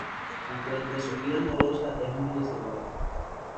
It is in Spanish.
En cuanto a su vida amorosa es muy reservado.